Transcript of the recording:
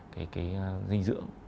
cái dinh dưỡng